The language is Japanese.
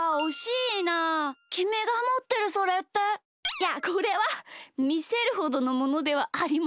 いやこれはみせるほどのものではありません。